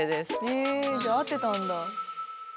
へえじゃあ合ってたんだ。